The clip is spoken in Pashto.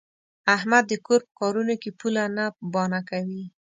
احمد د کور په کارونو کې پوله نه بانه کوي.